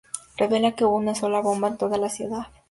Revela que hubo una sola bomba en toda la ciudad.